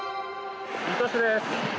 水戸市です。